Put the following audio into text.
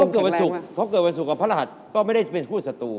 เขาเกิดวันสุขกับพระรหัสก็ไม่ได้เป็นคู่สัตว์